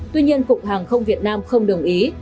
tuy nhiên cục hàng không việt nam không đồng ý